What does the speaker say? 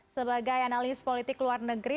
sebagai analis politik luar negeri